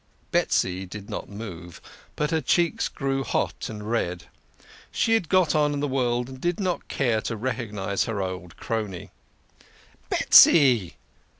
" Betsy " did not move, but her cheeks grew hot and red. She had got on in the world, and did not care to recognise her old crony. "Betsy!"